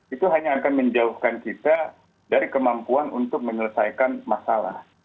itu hanya akan menjauhkan kita dari kemampuan untuk menyelesaikan masalah